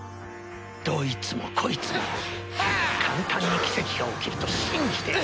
どいつもこいつも簡単に奇跡が起きると信じてやがる。